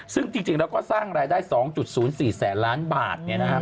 ซึ่งจริงแล้วก็สร้างรายได้๒๐๔แสนล้านบาท